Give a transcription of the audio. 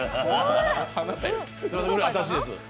私です。